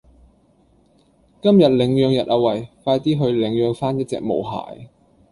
今日領養日啊餵，快啲去領養返一隻毛孩